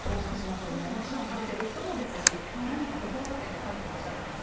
もちろん食べてる人もですし何か心掛けて書いてらっしゃるんですか。